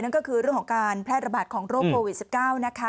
นั่นก็คือเรื่องของการแพร่ระบาดของโรคโควิด๑๙นะคะ